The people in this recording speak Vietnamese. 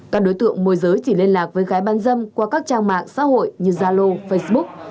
các đối tượng môi giới chỉ liên lạc với gái bán dâm qua các trang mạng xã hội như zalo facebook